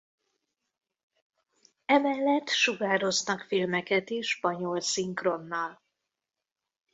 Emellett sugároznak filmeket is spanyol szinkronnal.